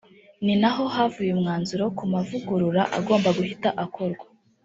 Ni naho havuye umwanzuro ku mavugurura agomba guhita akorwa